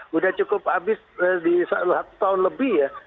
sudah cukup habis di setahun lebih ya